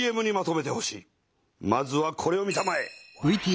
まずはこれを見たまえ。